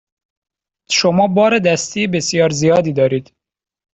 شما بار دستی بسیار زیادی دارید.